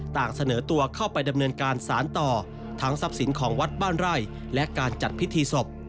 เสนอตัวเข้าไปดำเนินการสารต่อทั้งทรัพย์สินของวัดบ้านไร่และการจัดพิธีศพ